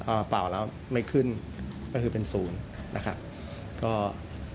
พอเป่าแล้วไม่ขึ้นก็คือเป็นศูนย์นะครับก็